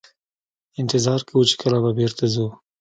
انتظار کوو چې کله به بیرته ځو.